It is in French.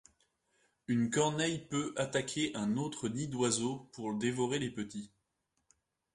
Une corneille peut attaquer un autre nid d'oiseau pour dévorer les petits.